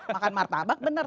makan martabak benar